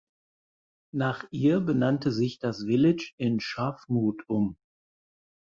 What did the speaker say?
Nach ihr benannte sich das Village in Shawmut um.